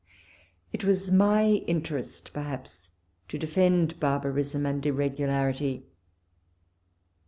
It was my interest perhaps to defend barbarism and irregularity.